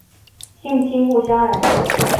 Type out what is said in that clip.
亲不亲故乡人